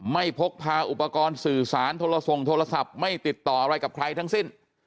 พกพาอุปกรณ์สื่อสารโทรส่งโทรศัพท์ไม่ติดต่ออะไรกับใครทั้งสิ้น